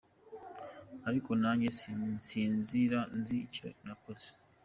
Ariko nanjye nsinzira nzi icyo nokeje.